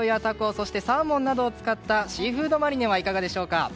そして、サーモンなどを使ったシーフードマリネはいかがでしょうか？